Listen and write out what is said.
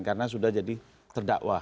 karena sudah jadi terdakwa